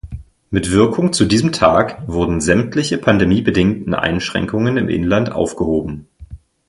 Mit Wirkung zu diesem Tag wurden sämtliche pandemiebedingten Einschränkungen im Inland aufgehoben.